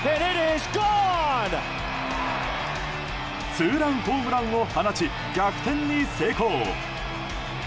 ツーランホームランを放ち逆転に成功。